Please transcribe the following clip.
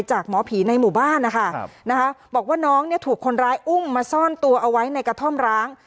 หมอผีในหมู่บ้านนะคะบอกว่าน้องเนี่ยถูกคนร้ายอุ้มมาซ่อนตัวเอาไว้ในกระท่อมร้าง